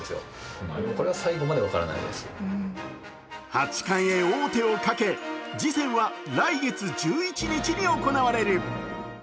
八冠へ王手をかけ、次戦は来月１１日に行われる。